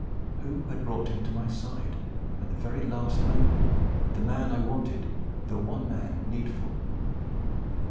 Who had brought him to my side at the last moment the very man I wanted the one man needful?